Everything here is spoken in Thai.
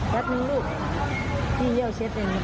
แป๊บนึงลูกพี่เยี่ยวเช็ดเอง